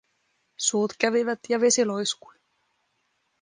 Suut kävivät ja vesi loiskui.